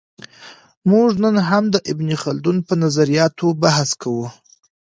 موږ نن هم د ابن خلدون په نظریاتو بحث کوو.